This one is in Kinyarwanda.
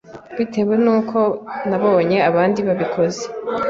bitewe n’uko babonye abandi babikoze